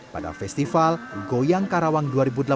pada festival goyang karawang dua ribu delapan belas